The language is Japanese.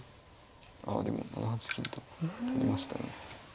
ああでも７八金と取りましたね。